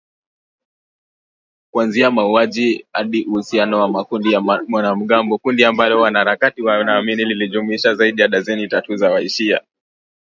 Kuanzia mauaji hadi uhusiano na makundi ya wanamgambo, kundi ambalo wanaharakati wanaamini lilijumuisha zaidi ya darzeni tatu za wa shia